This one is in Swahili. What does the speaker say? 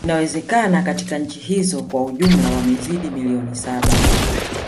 Inawezekana katika nchi hizo kwa jumla wamezidi milioni saba